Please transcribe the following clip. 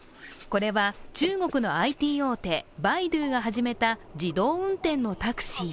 これは中国のＩＴ大手・バイドゥが始めた自動運転のタクシー。